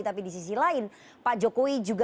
tapi di sisi lain pak jokowi juga merasa dirinya sejajar